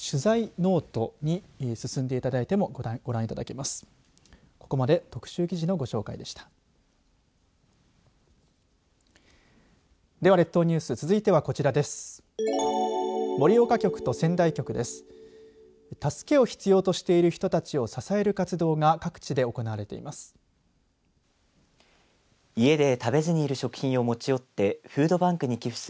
助けを必要としている人たちを支える活動が各地で行われています。